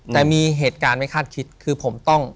แต่มีเหตุการณ์ไม่คาดคิดคือผมต้อง